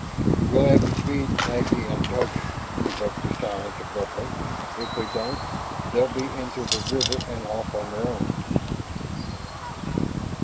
"We'll have to feed Taggi and Togi," he broke the silence abruptly. "If we don't, they'll be into the river and off on their own."